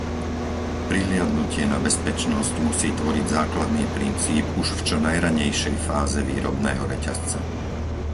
Prihliadnutie na bezpečnosť musí tvoriť základný princíp už v čo najranejšej fáze výrobného reťazca.